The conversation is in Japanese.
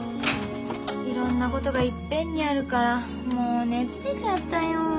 いろんなことがいっぺんにあるからもう熱出ちゃったよ。